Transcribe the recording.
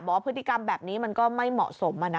บอกว่าพฤติกรรมแบบนี้มันก็ไม่เหมาะสม